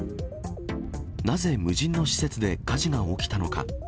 なぜ無人の施設で火事が起きたのか。